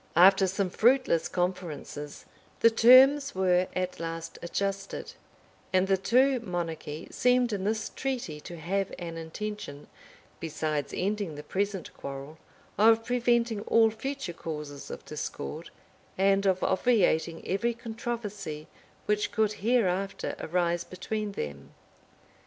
After some fruitless conferences, the terms were at last adjusted; and the two monarchy seemed in this treaty to have an intention, besides ending the present quarrel, of preventing all future causes of discord, and of obviating every controversy which could hereafter arise between them.